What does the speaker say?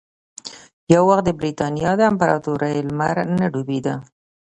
یو وخت د برېتانیا په امپراتورۍ کې لمر نه ډوبېده.